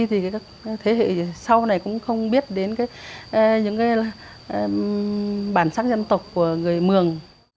thế hệ sau này cũng không biết đến những cái bản sắc dân tộc của người mường